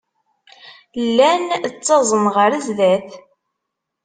Llan ttaẓen ɣer sdat.